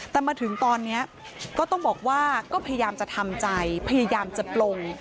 แต่มาถึงตอนนี้ก็ต้องบอกว่าก็พยายามจะทำใจพยายามจะปลง